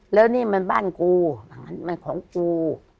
แล้วนี่มันบ้านกูมันของกู